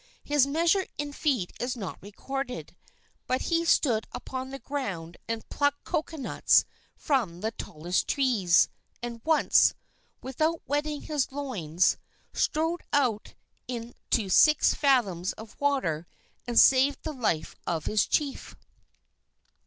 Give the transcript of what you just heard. His measure in feet is not recorded, but he stood upon the ground and plucked cocoanuts from the tallest trees, and once, without wetting his loins, strode out into six fathoms of water and saved the life of his chief.